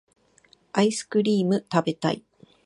アイスクリームたべたい